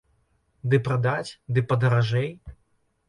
Ды прадаць, ды падаражэй?